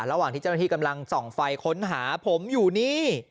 ระหว่างที่เจ้าหน้าที่กำลังส่องไฟค้นหาผมอยู่นี่